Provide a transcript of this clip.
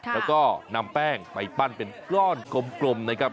แล้วก็นำแป้งไปปั้นเป็นก้อนกลมนะครับ